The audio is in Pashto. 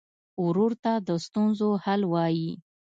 ورور ته د ستونزو حل وايي.